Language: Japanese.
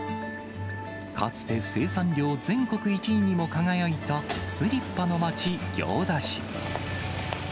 かつて生産量全国１位にも輝いたスリッパの町、行田市。